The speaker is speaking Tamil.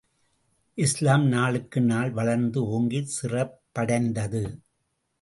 இஸ்லாம் நாளுக்கு நாள் வளர்ந்து ஓங்கிச் சிறப்படைந்தது.